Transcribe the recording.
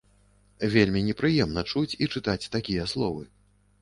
Вельмі непрыемна чуць і чытаць такія словы.